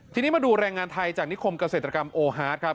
ทีนี้มาดูแรงงานไทยจากนิคมเกษตรกรรมโอฮาร์ดครับ